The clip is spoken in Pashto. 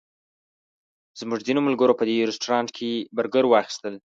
زموږ ځینو ملګرو په دې رسټورانټ کې برګر واخیستل.